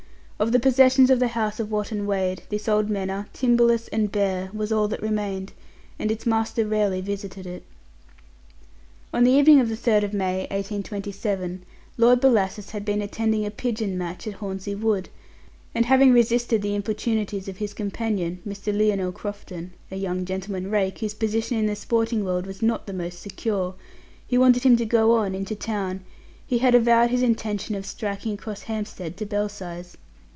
Of the possessions of the House of Wotton Wade, this old manor, timberless and bare, was all that remained, and its master rarely visited it. On the evening of May 3, 1827, Lord Bellasis had been attending a pigeon match at Hornsey Wood, and having resisted the importunities of his companion, Mr. Lionel Crofton (a young gentleman rake, whose position in the sporting world was not the most secure), who wanted him to go on into town, he had avowed his intention of striking across Hampstead to Belsize.